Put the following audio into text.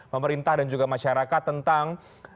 pemerintah dan juga masyarakat tentang